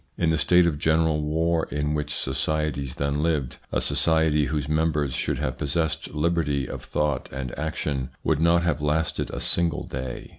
In the state of general war in which societies then lived, a society whose members should have possessed liberty of thought and action would not have lasted a single day.